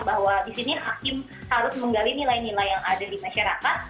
bahwa di sini hakim harus menggali nilai nilai yang ada di masyarakat